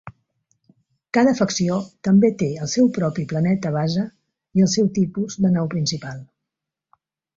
Cada facció també té el seu propi planeta base i el seu tipus de nau principal.